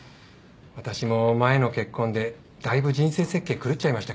私も前の結婚でだいぶ人生設計狂っちゃいましたから。